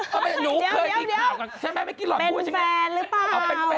เป็นแฟนหรือเปล่า